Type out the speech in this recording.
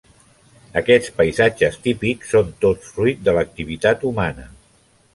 Aquests paisatges típics són tots fruit de l'activitat humana.